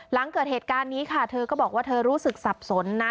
หลังเกิดเหตุการณ์นี้ค่ะเธอก็บอกว่าเธอรู้สึกสับสนนะ